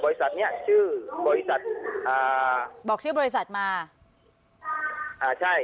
เนี้ยชื่อบริษัทอ่าบอกชื่อบริษัทมาอ่าใช่